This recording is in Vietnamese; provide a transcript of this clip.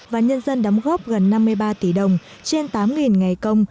và nhân dân đóng góp gần năm mươi ba tỷ đồng trên tám ngày công